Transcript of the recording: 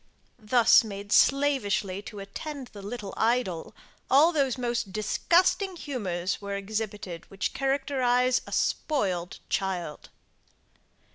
Thus made slavishly to attend the little idol, all those most disgusting humours were exhibited which characterize a spoiled child.